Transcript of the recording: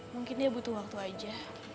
mungkin dia butuh waktu aja